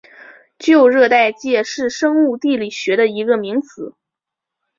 旧热带界是生物地理学的一个名词。